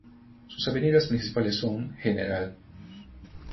Sus avenidas principales son Gral.